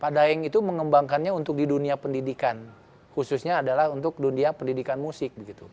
pak daeng itu mengembangkannya untuk di dunia pendidikan khususnya adalah untuk dunia pendidikan musik